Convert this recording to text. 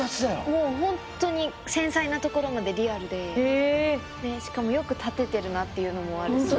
もうほんとに繊細な所までリアルでしかもよく立ててるなっていうのもあるし。